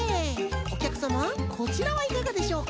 おきゃくさまこちらはいかがでしょうか？